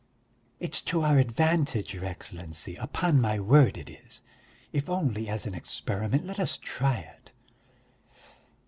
"It's to our advantage, your Excellency, upon my word it is! If only as an experiment, let us try it...."